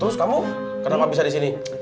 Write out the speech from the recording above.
terus kamu kenapa bisa disini